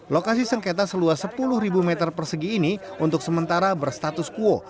lokasi sengketa seluas sepuluh meter persegi ini untuk sementara berstatus kuo